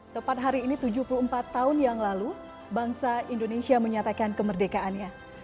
tepat hari ini tujuh puluh empat tahun yang lalu bangsa indonesia menyatakan kemerdekaannya